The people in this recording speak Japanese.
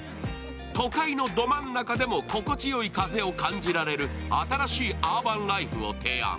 都会のど真ん中でも心地よい風を感じられる新しいアーバンライフを提案。